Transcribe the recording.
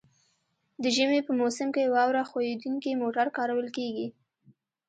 د ژمي په موسم کې واوره ښوییدونکي موټر کارول کیږي